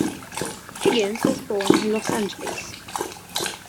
Higgins was born in Los Angeles.